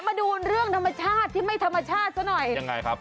มาดูเรื่องธรรมชาติที่ไม่ธรรมชาติซะหน่อยยังไงครับ